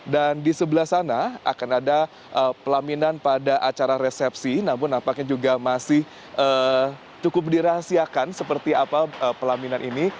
dan di sebelah sana akan ada pelaminan pada acara resepsi namun nampaknya juga masih cukup dirahasiakan seperti apa pelaminan ini